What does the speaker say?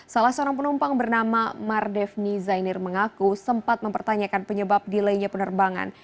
salah seorang penumpang bernama mardefni zainir mengaku sempat mempertanyakan penyebab delaynya penerbangan